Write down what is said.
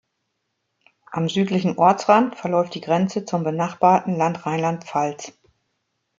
Am südlichen Ortsrand verläuft die Grenze zum benachbarten Land Rheinland-Pfalz.